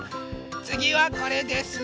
つぎはこれです。